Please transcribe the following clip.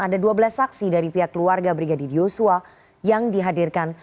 ada dua belas saksi dari pihak keluarga brigadir yosua yang dihadirkan